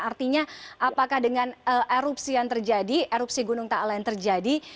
artinya apakah dengan erupsi yang terjadi erupsi gunung ta'ala yang terjadi